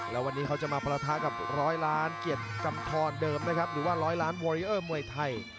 แล้ววันนี้เขาจะมาประทะกับร้อยล้านเกียรติกำทรเดิมนะครับหรือว่าร้อยล้านวอริเออร์มวยไทย